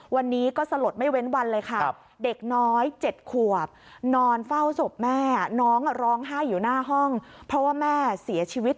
วันนี้ก็สลดไม่เว้นวันเลยค่ะเด็กน้อย๗ขวบนอนเฝ้าศพแม่